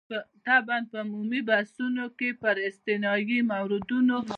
طبعاً په عمومي بحثونو کې پر استثنايي موردونو خبرې نه کېږي.